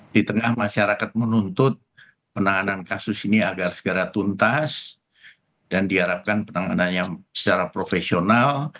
di tengah masyarakat menuntut penanganan kasus ini agar segera tuntas dan diharapkan penanganannya secara profesional